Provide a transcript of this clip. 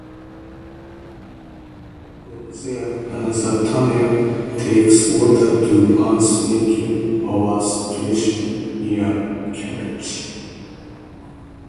From there, another tunnel takes water to Fasnakyle power station, near Cannich.